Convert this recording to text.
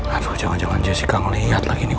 aduh jangan jangan jessica ngeliat lagi nih